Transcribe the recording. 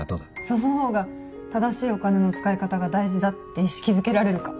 そのほうが正しいお金の使い方が大事だって意識づけられるか。